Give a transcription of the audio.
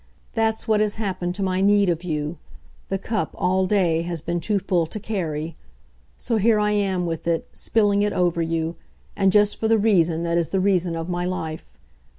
That's what has happened to my need of you the cup, all day, has been too full to carry. So here I am with it, spilling it over you and just for the reason that is the reason of my life.